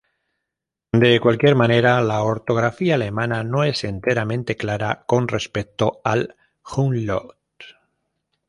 De cualquier manera, la ortografía alemana no es enteramente clara con respecto al "umlaut".